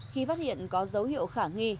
khi phát hiện có dấu hiệu khả nghi